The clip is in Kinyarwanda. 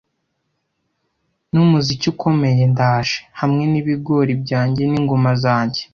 Numuziki ukomeye ndaje, hamwe nibigori byanjye n'ingoma zanjye,